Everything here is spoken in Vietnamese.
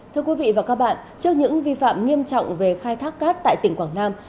thưa quý vị và các bạn trước những vi phạm nghiêm trọng về khai thác cát tại tỉnh quảng nam